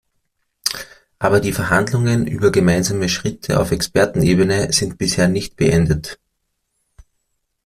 Aber die Verhandlungen über gemeinsame Schritte auf Expertenebene sind bisher nicht beendet.